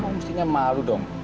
kamu mestinya malu dong